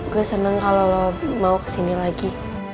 gue seneng kalau lo mau kesini lagi